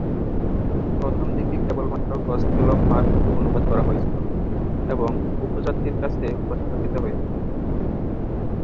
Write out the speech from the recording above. প্রথমদিকে কেবলমাত্র gospel of Mark অনুবাদ করা হয়েছিল এবং উপজাতির কাছে উপস্থাপিত হয়েছিল।